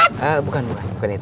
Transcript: eee bukan bukan bukan itu